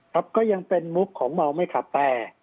ก็ยังเป็นมุกของเมาไม่ขับแต่